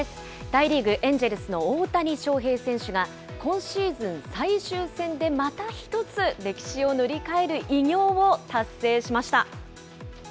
大リーグ・エンジェルスの大谷翔平選手が、今シーズン最終戦で、また１つ、歴史を塗り替える偉業を達成しました。